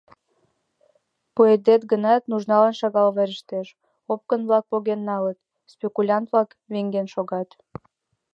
Пуэдет гынат, нужналан шагал верештеш: опкын-влак поген налыт, спекулянт-влак ваҥен шогат...»